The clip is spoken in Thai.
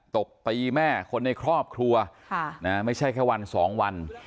ตบตีแม่คนในครอบครัวไม่ใช่แค่วันสองวัน